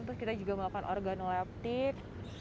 terus kita juga melakukan organoleptik